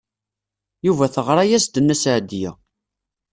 Yuba teɣra-as-d Nna Seɛdiya.